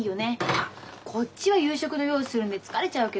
あっこっちは夕食の用意するんで疲れちゃうけどさ。